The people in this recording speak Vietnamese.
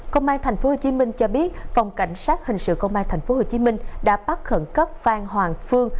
công an tp hcm cho biết phòng cảnh sát hình sự công an tp hcm đã bắt khẩn cấp phan hoàng phương